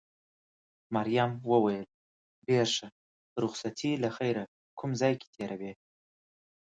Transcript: مريم وویل: ډېر ښه، رخصتي له خیره کوم ځای کې تېروې؟